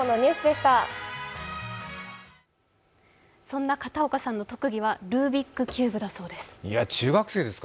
そんな片岡さんの特技はルービックキューブだそうです。